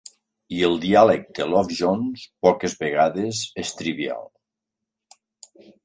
I el diàleg de "Love Jones" poques vegades és trivial.